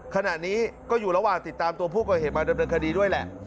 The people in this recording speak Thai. ขณะนี้ก็อยู่ระหว่างติดตามตัวผู้ก่อเหตุมาดำเนินคดีด้วยแหละ